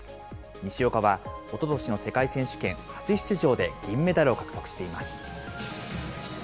西岡は、おととしの世界選手権、初出場で銀メダルを獲得しています。